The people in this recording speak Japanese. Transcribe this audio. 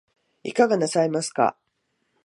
いかがなさいますか